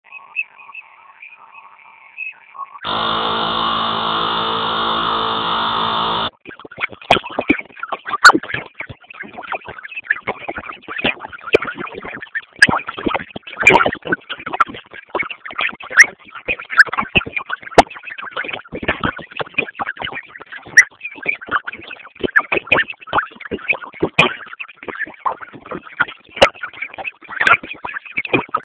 ikiwa ni pamoja na Mahakama ya Haki ya Afrika Bunge la Afrika Mashariki na kamati za kisekta